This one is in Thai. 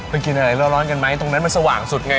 มันกินอะไรร้อนกันไหมตรงนั้นมันสว่างสุดไง